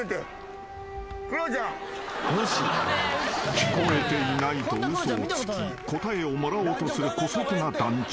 ［聞こえていないと嘘をつき答えをもらおうとする姑息な団長］